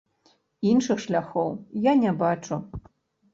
Іншых шляхоў я не бачу.